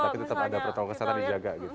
tapi tetap ada protokol kesehatan dijaga gitu